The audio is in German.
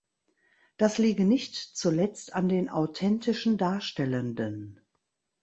Das liege nicht zuletzt an den authentischen Darstellenden.